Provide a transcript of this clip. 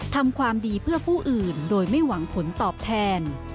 ทำความดีเพื่อผู้อื่นโดยไม่หวังผลตอบแทน